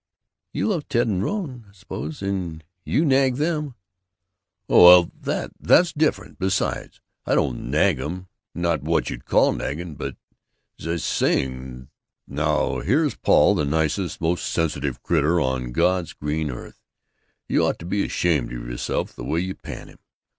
"You love Ted and Rone I suppose and yet you nag them." "Oh. Well. That. That's different. Besides, I don't nag 'em. Not what you'd call nagging. But zize saying: Now, here's Paul, the nicest, most sensitive critter on God's green earth. You ought to be ashamed of yourself the way you pan him.